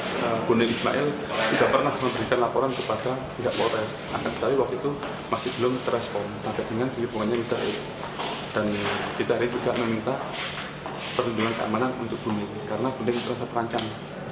dan kita hari ini juga meminta perlindungan keamanan untuk bibi karena bibi terasa terancam